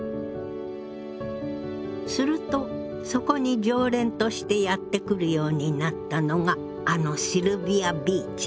するとそこに常連としてやって来るようになったのがあのシルヴィア・ビーチ。